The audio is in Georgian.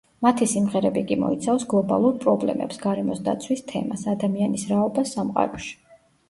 მათი სიმღერები კი მოიცავს გლობალურ პრობლემებს, გარემოს დაცვის თემას, ადამიანის რაობას სამყაროში.